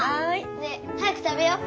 ねえ早く食べよう！